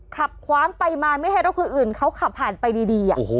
ขับคว้างไปมาไม่ให้รถคนอื่นเขาขับผ่านไปดี